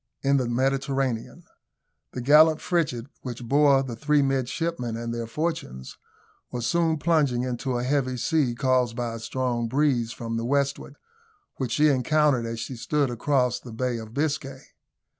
IN THE MEDITERRANEAN. The gallant frigate, which bore the three midshipmen and their fortunes, was soon plunging into a heavy sea, caused by a strong breeze from the westward, which she encountered as she stood across the Bay of Biscay.